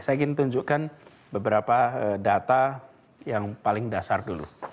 saya ingin tunjukkan beberapa data yang paling dasar dulu